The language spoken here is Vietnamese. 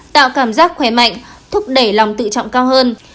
tạo cảm giác khỏe mạnh thúc đẩy lòng tự trọng cao hơn